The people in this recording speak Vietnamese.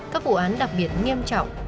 các vụ án đặc biệt nghiêm trọng